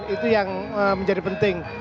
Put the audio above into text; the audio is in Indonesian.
itu yang menjadi penting